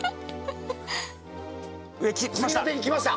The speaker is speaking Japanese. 上来ました。